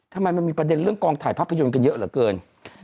ทำไมมันมีประเด็นเรื่องกองถ่ายภาพยนตร์กันเยอะเหลือเกิน